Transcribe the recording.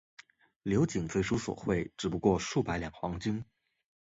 刘瑾最初索贿只不过数百两黄金。